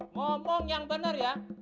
ngomong yang bener ya